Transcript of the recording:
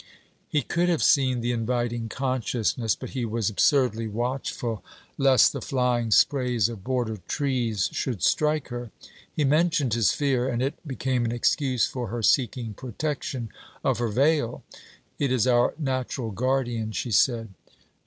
He could have seen the inviting consciousness, but he was absurdly watchful lest the flying sprays of border trees should strike her. He mentioned his fear, and it became an excuse for her seeking protection of her veil. 'It is our natural guardian,' she said.